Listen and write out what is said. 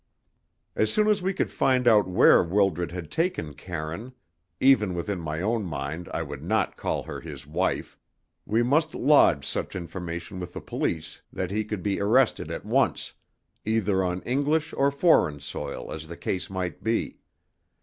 As soon as we could find out where Wildred had taken Karine (even within my own mind I would not call her his wife), we must lodge such information with the police that he could be arrested at once, either on English or foreign soil, as the case might be.